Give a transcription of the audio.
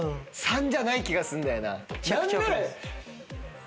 ３じゃない気がすんだよな。